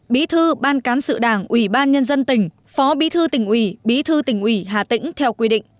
bí thư ban cán sự đảng ủy ban nhân dân tỉnh phó bí thư tỉnh ủy bí thư tỉnh ủy hà tĩnh theo quy định